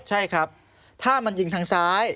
ใช่ครับถ้ามันยิงทางซ้าย